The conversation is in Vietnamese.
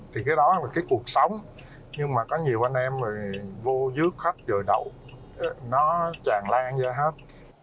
thì cái đó là cái cuộc sống nhưng mà có nhiều anh em vô dưới khách rồi đậu nó chàn lan ra hết